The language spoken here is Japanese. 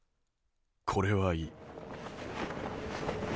これはいい。